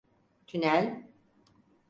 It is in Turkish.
Tünel…